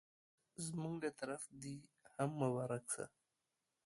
زموږ له طرفه دي هم مبارک سه